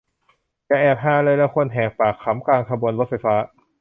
อย่าแอบฮาเลย เราควรแหกปากขำกลางขบวนรถไฟฟ้า